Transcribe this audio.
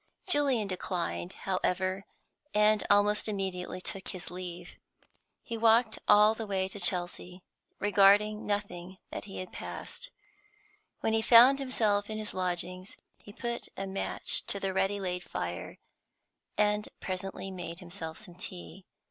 Julian declined, however, and almost immediately took his leave. He walked all the way to Chelsea, regarding nothing that he passed. When he found himself in his lodgings he put a match to the ready laid fire, and presently made himself some tea.